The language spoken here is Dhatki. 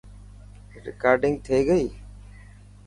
رڪارڊنگ ٿي گئي.